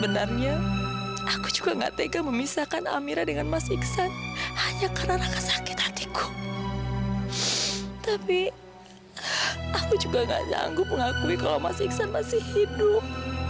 tapi juga gak sanggup mengakui kalau mas iksan masih hidup